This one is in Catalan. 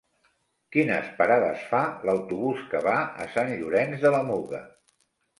Quines parades fa l'autobús que va a Sant Llorenç de la Muga?